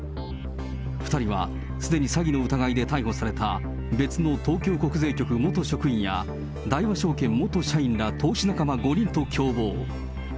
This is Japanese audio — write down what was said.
２人はすでに詐欺の疑いで逮捕された別の東京国税局元職員や、大和証券元社員ら投資仲間５人と共謀。